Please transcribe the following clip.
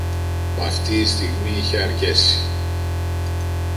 Μ' αυτή η στιγμή είχε αρκέσει.